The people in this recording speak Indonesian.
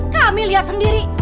kami lihat sendiri